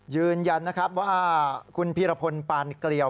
ยืนยันนะครับว่าคุณพีรพลปานเกลียว